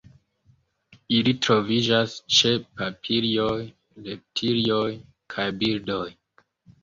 Ili troviĝas ĉe papilioj, reptilioj kaj birdoj.